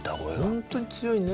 本当に強いね。